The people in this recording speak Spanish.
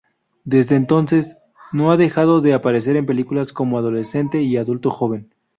Desde entonces, no ha dejado de aparecer en películas como adolescente y adulto joven.